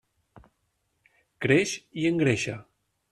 Creix i engreixa.